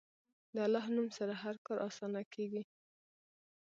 د الله نوم سره هر کار اسانه کېږي.